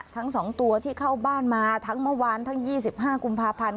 ทั้ง๒ตัวที่เข้าบ้านมาทั้งเมื่อวานทั้ง๒๕กุมภาพันธ์